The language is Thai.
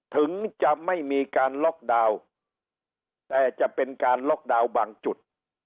ถึงจะไม่มีการล็อกดาวน์แต่จะเป็นการล็อกดาวน์บางจุด